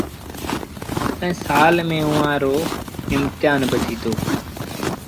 ائيٚݩ سآل ميݩ اُئآݩ رو امتهآن با ٿيٚتو۔